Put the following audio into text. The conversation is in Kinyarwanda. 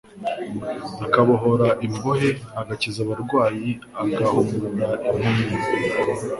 akabohora imbohe, agakiza abarwayi, agahumura impumyi